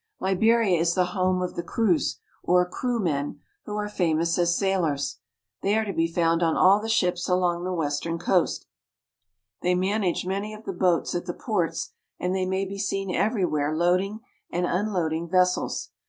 Liberia is the home of the Kroos or Kroomen, who are ] famous as sailors. They are to be found on all the ships along the western coast They manage many of the \ boats at the ports, and they may be seen everywhere ' loading and unloading vessels.